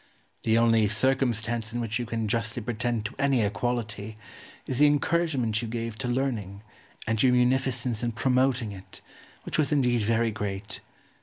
The only circumstance in which you can justly pretend to any equality is the encouragement you gave to learning and your munificence in promoting it, which was indeed very great.